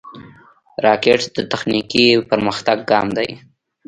راکټ د تخنیکي پرمختګ ګام دی